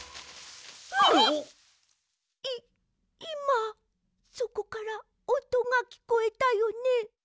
いいまそこからおとがきこえたよね？